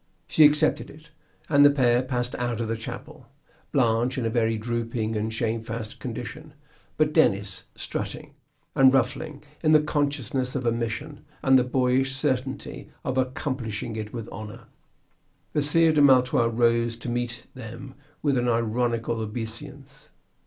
She accepted it; and the pair passed out of the chapel, Blanche in a very drooping and shamefast condition, but Denis strutting and ruffling in the consciousness of a mission, and the boyish certainty of accomplishing it with honor. The Sire de Maletroit rose to meet them with an ironical obeisance.